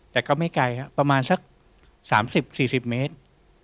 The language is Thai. แต่ก็ไม่ไกลครับประมาณสัก๓๐๔๐เมตร